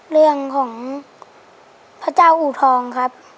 เรื่องของพระเจ้าอูทองครับ